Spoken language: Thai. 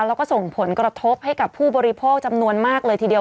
แล้วก็ส่งผลกระทบให้กับผู้บริโภคจำนวนมากเลยทีเดียว